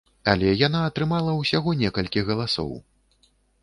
Але яна атрымала ўсяго некалькі галасоў.